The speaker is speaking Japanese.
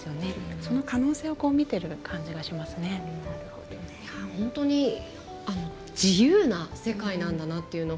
その可能性を本当に自由な世界なんだなというのを。